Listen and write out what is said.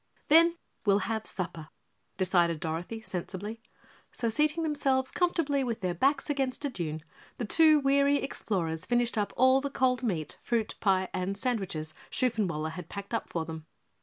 "Then we'll have supper," decided Dorothy, sensibly. So seating themselves comfortably with their backs against a dune, the two weary explorers finished up all the cold meat, fruit, pie, and sandwiches Shoofenwaller had packed up for them.